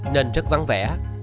nên rất vắng vẻ